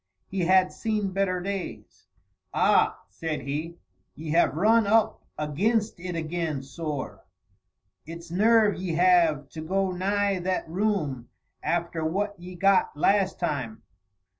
He had seen better days. "Ah!" said he; "ye have run up aginst it agin, sorr. It's nerve ye have, to go nigh that room after what ye got last time."